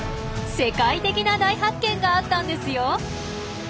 世界的な大発見があったんですよ！